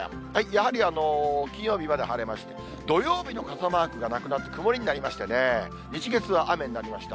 やはり金曜日まで晴れまして、土曜日の傘マークがなくなって曇りになりましてね、日、月は雨になりました。